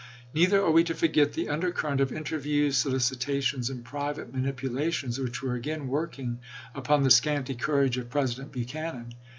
Neither are we to forget the under current of interviews, solicitations, and private manipulations which were again working upon the scanty courage of President Buchanan.